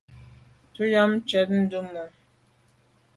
Tu am tshwèt ndume.